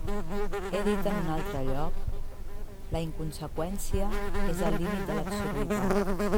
He dit en un altre lloc: la inconseqüència és el límit de l'absurditat.